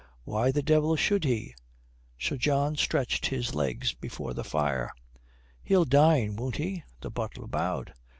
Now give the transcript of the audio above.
"Why the devil should he?" Sir John stretched his legs before the fire. "He'll dine, won't he?" The butler bowed.